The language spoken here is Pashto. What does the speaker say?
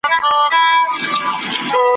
تکه سپینه لکه بته جګه غاړه ,